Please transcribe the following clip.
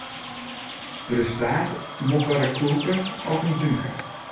Der is taart, Molkwarder koeke of in dúmke.